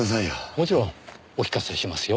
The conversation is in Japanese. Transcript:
もちろんお聞かせしますよ。